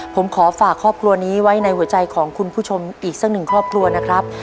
ผมขอฝากครอบครัวนี้ไว้ในหัวใจของคุณผู้ชมอีกสักหนึ่งครอบครัวนะครับ